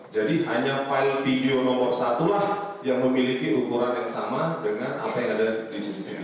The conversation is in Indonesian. jadi hanya file video nomor satu lah yang memiliki ukuran yang sama dengan apa yang ada di cctv